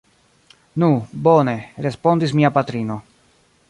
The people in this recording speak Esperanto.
Nu, bone, respondis mia patrino.